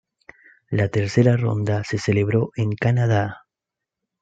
La tercera ronda se celebró en en Canadá.